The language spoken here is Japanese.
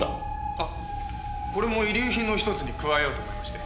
あっこれも遺留品の一つに加えようと思いまして。